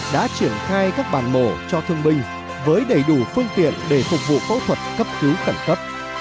đã triển khai các bàn mổ cho thương binh với đầy đủ phương tiện để phục vụ phẫu thuật cấp cứu cẩn cấp